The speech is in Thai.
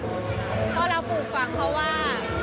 เพราะเราปลูกฝังเพราะว่า